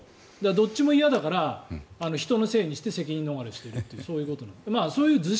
どっちも嫌だから人のせいにして責任逃れをしているというそういうこと。